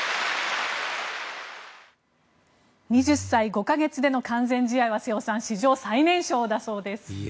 ２０歳５か月での完全試合は瀬尾さん史上最年少だそうです。